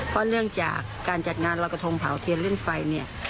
เพราะเรื่องจากการจัดงานรอกธงเผาเทียนเล่นไฟ